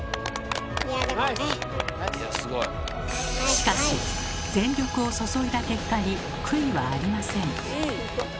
しかし全力を注いだ結果に悔いはありません。